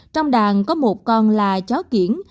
trong đàn có một con là chó kiển